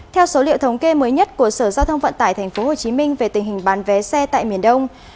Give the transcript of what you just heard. theo số liệu thống kê mới nhất của sở giao thông vận tải tp hcm về tình hình bán vé xe tại miền đông